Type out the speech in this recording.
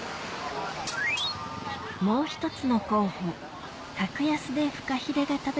もう１つの候補